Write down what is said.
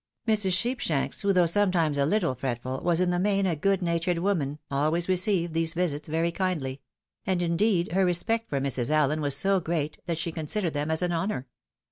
Mrs. Sheepshanks, who, though sometimes a little fretful, was in the main a good natured woman, always received these visits very kindly ; and, indeed, her respect for Mrs. Allen was so great, that she considered them as an honour.